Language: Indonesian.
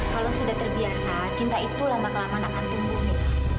kalau sudah terbiasa cinta itu lama kelamaan akan tumbuh